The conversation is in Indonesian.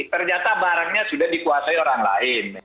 ternyata barangnya sudah dikuasai orang lain